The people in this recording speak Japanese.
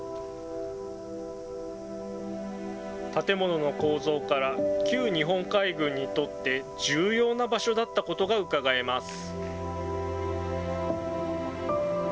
建物の構造から、旧日本海軍にとって重要な場所だったことがうかがえます。